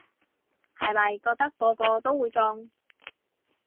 後咪覺得個個都會中